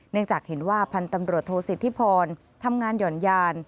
จากเห็นว่าพันธ์ตำรวจโทษสิทธิพรทำงานหย่อนยาน